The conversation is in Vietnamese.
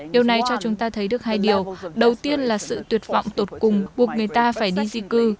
điều này cho chúng ta thấy được hai điều đầu tiên là sự tuyệt vọng tột cùng buộc người ta phải đi di cư